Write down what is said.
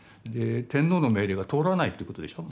天皇の命令が通らないということでしょ